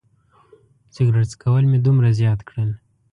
سګرټ څکول مې دومره زیات کړل.